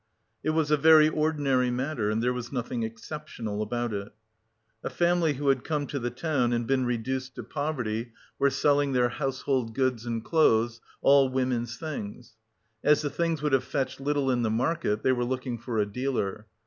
It was a very ordinary matter and there was nothing exceptional about it. A family who had come to the town and been reduced to poverty were selling their household goods and clothes, all women's things. As the things would have fetched little in the market, they were looking for a dealer.